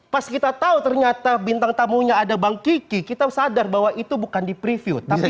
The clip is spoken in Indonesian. pas kita tahu ternyata bintang tamunya ada bang kiki kita sadar bahwa itu bukan di preview tapi